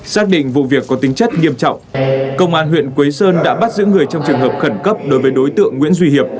xác định vụ việc có tính chất nghiêm trọng công an huyện quế sơn đã bắt giữ người trong trường hợp khẩn cấp đối với đối tượng nguyễn duy hiệp